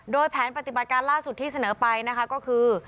โดยแผนปฏิบัติการล่าสุดที่เสนอไปนะคะก็คือ